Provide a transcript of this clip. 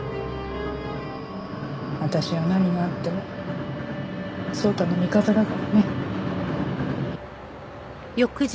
私は何があっても颯太の味方だからね。